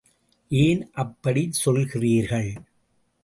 ஏன் அப்படிச் சொல்கிறீர்கள்?